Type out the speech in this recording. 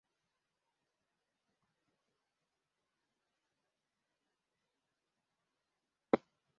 Imbwa yera nimbwa igarura umupira munzira ya kaburimbo